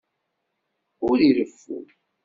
Ur ireffu.